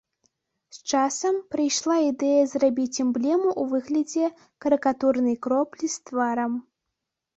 З часам прыйшла ідэя зрабіць эмблему ў выглядзе карыкатурнай кроплі з тварам.